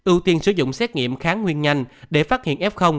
ưu tiên sử dụng xét nghiệm kháng nguyên nhanh để phát hiện f